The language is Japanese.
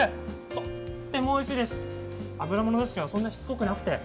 とってもおいしいです、油ものですがそんなにしつこくなくて。